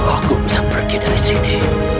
aku bisa pergi dari sini